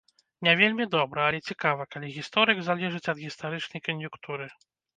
Не вельмі добра, але цікава, калі гісторык залежыць ад гістарычнай кан'юнктуры.